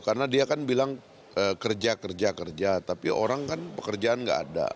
karena dia kan bilang kerja kerja kerja tapi orang kan pekerjaan nggak ada